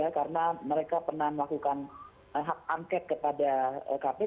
karena mereka pernah melakukan hak angket kepada kpk